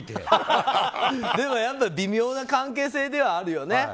微妙な関係性ではあるよね。